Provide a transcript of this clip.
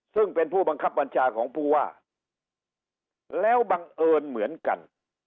ซึ่งเป็นผู้บังคับบัญชาของผู้ว่าแล้วบังเอิญเหมือนกัน